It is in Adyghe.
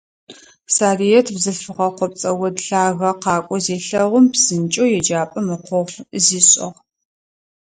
Сарыет бзылъфыгъэ къопцӏэ од лъагэ къакӏоу зелъэгъум, псынкӏэу еджапӏэм ыкъогъу зишӏыгъ.